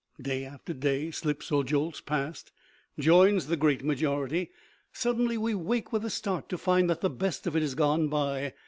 Day after day slips or jolts past, joins the Great Majority; suddenly we wake with a start to find that the best of it is gone by.